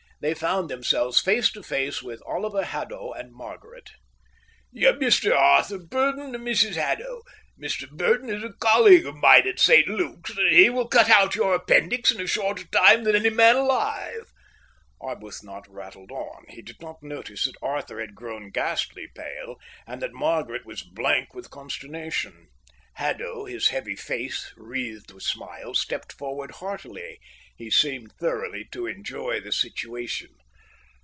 They found themselves face to face with Oliver Haddo and Margaret. "Mr Arthur Burdon—Mrs Haddo. Mr Burdon is a colleague of mine at St Luke's; and he will cut out your appendix in a shorter time than any man alive." Arbuthnot rattled on. He did not notice that Arthur had grown ghastly pale and that Margaret was blank with consternation. Haddo, his heavy face wreathed with smiles, stepped forward heartily. He seemed thoroughly to enjoy the situation.